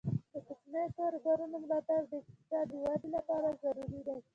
د کوچنیو کاروبارونو ملاتړ د اقتصاد د ودې لپاره ضروري دی.